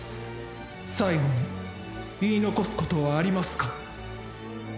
最期に言い残すことはありますか。